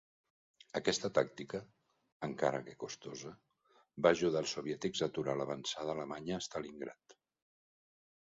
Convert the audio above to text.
Aquesta tàctica, encara que costosa, va ajudar els soviètics a aturar l'avançada alemanya a Stalingrad.